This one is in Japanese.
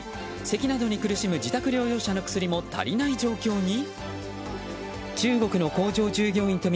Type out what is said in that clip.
せきなどに苦しむ自宅療養者の薬も足りない状況に？